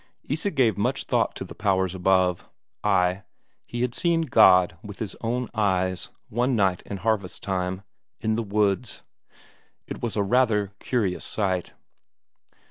Isak gave much thought to the powers above; ay, he had seen God with his own eyes, one night in harvest time, in the woods; it was rather a curious sight.